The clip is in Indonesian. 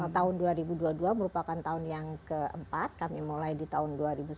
tahun dua ribu dua puluh dua merupakan tahun yang keempat kami mulai di tahun dua ribu sembilan belas